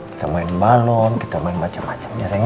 kita main balon kita main macam macam ya sayang